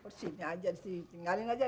di sini aja di sini tinggalin aja